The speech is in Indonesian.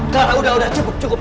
gara udah udah cukup cukup